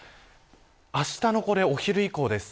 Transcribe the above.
あしたのお昼以降です。